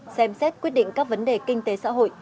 xem xét quyết định các vấn đề kinh tế xã hội